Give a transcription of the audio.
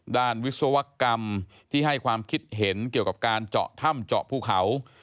วิศวกรรมที่ให้ความคิดเห็นเกี่ยวกับการเจาะถ้ำเจาะภูเขา